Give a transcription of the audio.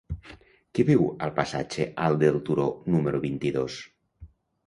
Qui viu al passatge Alt del Turó número vint-i-dos?